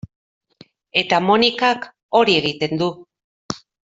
Eta Monikak hori egiten du.